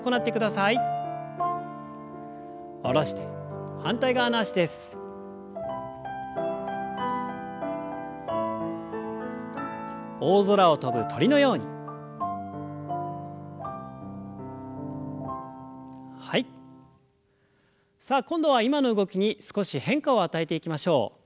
さあ今度は今の動きに少し変化を与えていきましょう。